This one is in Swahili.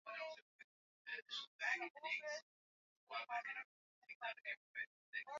Hali ya kipekee mwaka huo na alialikwa jukwaani tena